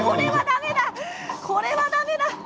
これは、だめだ。